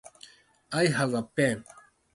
I have a pen.